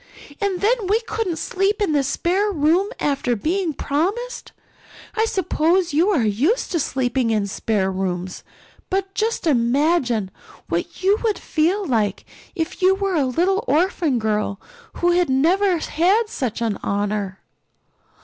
And then we couldn't sleep in the spare room after being promised. I suppose you are used to sleeping in spare rooms. But just imagine what you would feel like if you were a little orphan girl who had never had such an honor."